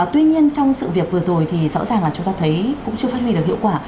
tuy nhiên trong sự việc vừa rồi thì rõ ràng là chúng ta thấy cũng chưa phát huy được hiệu quả